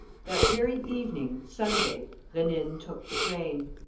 That very evening, Sunday, Rénine took the train.